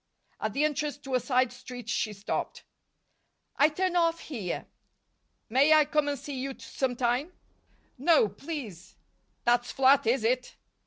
At the entrance to a side street she stopped. "I turn off here." "May I come and see you sometime?" "No, please." "That's flat, is it?"